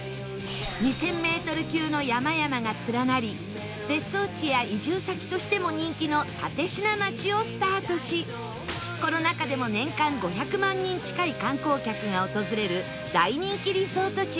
２０００メートル級の山々が連なり別荘地や移住先としても人気の立科町をスタートしコロナ禍でも年間５００万人近い観光客が訪れる大人気リゾート地